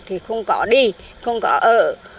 thì không có đi không có ở